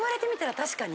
確かに。